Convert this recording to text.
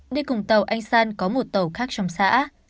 đi cùng tàu anh san có một tàu khác trong xã